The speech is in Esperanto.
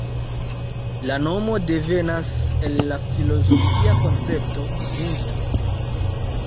La nomo devenas el la filozofia koncepto Ubuntu.